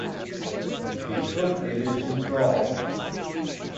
He currently lives in Prague.